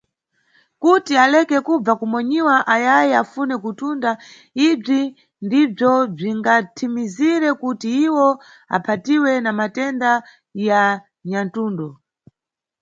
Kuti aleke kubva kumonyiwa ayayi afune kutunda, ibzi ndibzo bzingathimizire kuti iwo aphatiwe na matenda ya nyathundo.